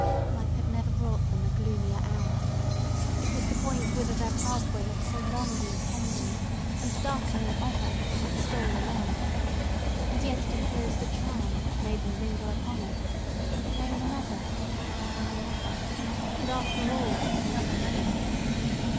Life had never brought them a gloomier hour; it was the point whither their pathway had so long been tending, and darkening ever, as it stole along—and yet it unclosed a charm that made them linger upon it, and claim another, and another, and, after all, another moment.